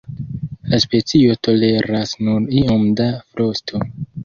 La specio toleras nur iom da frosto.